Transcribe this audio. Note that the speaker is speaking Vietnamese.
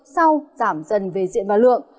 sau giảm dần về diện và lượng